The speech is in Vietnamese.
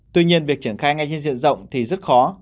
tuy nhiên việc triển khai ngay trên diện rộng thì rất khó